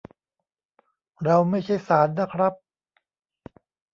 เราไม่ใช่ศาลนะครับ